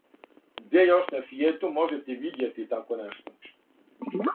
Гдје још на свијету можете видјети тако нешто?